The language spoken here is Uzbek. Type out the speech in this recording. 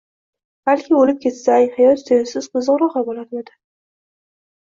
Balki oʻlib ketsang, hayot sensiz qiziqroq boʻlarmidi?